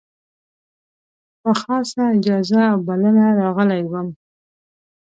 په خاصه اجازه او بلنه راغلی وم.